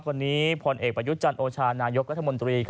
วันนี้พลเอกประยุทธ์จันทร์โอชานายกรัฐมนตรี